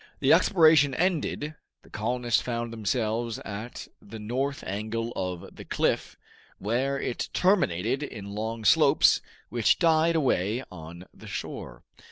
The exploration ended, the colonists found themselves at the north angle of the cliff, where it terminated in long slopes which died away on the shore.